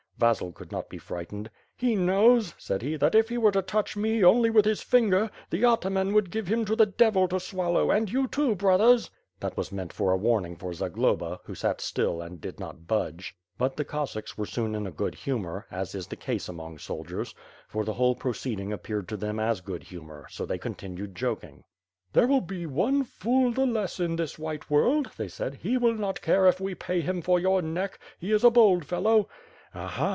Vasil could not be frightened. "He knows," said he, "that if he were to touch me only with his finger, the ataman would give him to the devil to swallow, and you, too, brothers." That was meant for a warning for Zagloba, who sat still and did aot budge. But the Cossacks were soon in a good humor, as is the casi among soldiers; for the whole proceeding appeared to then as go^ humor, so they continued joking. \VlfU FIRE AND SWORD. 4^3 "There will be one fool the less in this white world/ they said. "He will not care if we pay him for your neck. He is a bold fellow." "Aha!